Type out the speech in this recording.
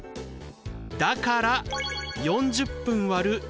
だから４０分割る２０分。